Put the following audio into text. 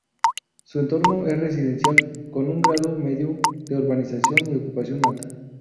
Su entorno es residencial, con un grado medio de urbanización y ocupación alta.